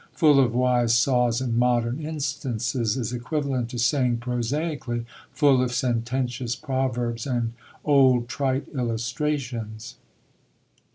"Full of wise saws and modern instances" is equivalent to saying prosaically, "full of sententious proverbs and old, trite illustrations."